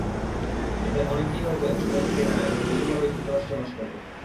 এদের অনেকেই হয়তো একসময় টিকে যাবে এবং বৈধভাবেই যুক্তরাষ্ট্রে বাস করবে।